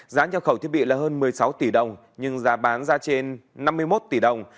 giá nhập khẩu thiết bị là hơn một mươi sáu tỷ đồng nhưng giá bán ra trên năm mươi một tỷ đồng